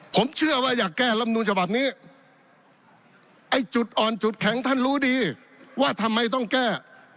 ผมเชื่อว่าอยากแก้ลำนูนฉบับนี้ไอ้จุดอ่อนจุดแข็งท่านรู้ดีว่าทำไมต้องแก้